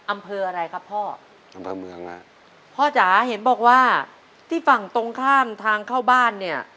อำเภออะไรครับพ่อพ่อจ๋าเห็นบอกว่าที่ฝั่งตรงข้ามทางเข้าบ้านเนี่ย